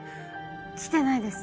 来てないです